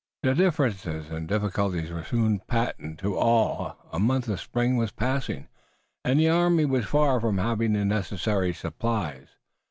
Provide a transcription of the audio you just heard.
The differences and difficulties were soon patent to all. A month of spring was passing, and the army was far from having the necessary supplies.